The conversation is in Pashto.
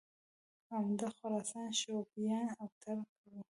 عمده خراساني شعوبیان او ترک وو